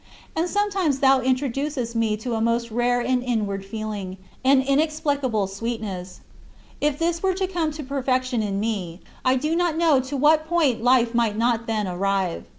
And sometimes thou introducest me to a most rare and inward feeling, an inexplicable sweetness. If this were to come to perfection in me I do not know to what point life might not then arrive.